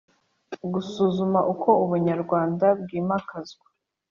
Gusuzuma uko ubunyarwanda bw’imakazwa